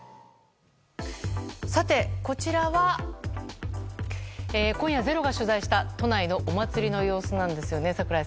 さて、こちらは今夜「ｚｅｒｏ」が取材した都内のお祭りの様子なんですよね